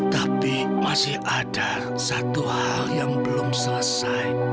tapi masih ada satu hal yang belum selesai